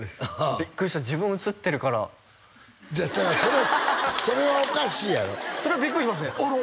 ビックリした自分写ってるからだからそれそれはおかしいやろそれはビックリしますねあれっ？